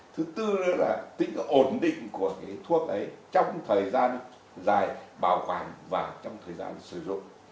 thứ tư nữa là tính ổn định của thuốc ấy trong thời gian dài bảo quản và trong thời gian sử dụng